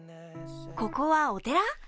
ここはお寺？